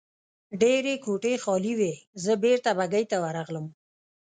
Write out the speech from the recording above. ډېرې کوټې خالي وې، زه بېرته بګۍ ته ورغلم.